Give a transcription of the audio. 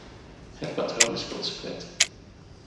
Het patroon is consequent.